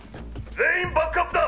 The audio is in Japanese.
全員バックアップだ。